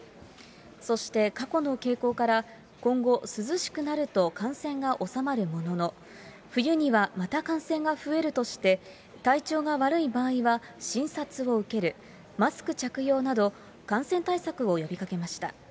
そして過去の傾向から、今後涼しくなると感染が収まるものの、冬にはまた感染が増えるとして、体調が悪い場合は診察を受ける、マスク着用など、感染対策を呼びかけました。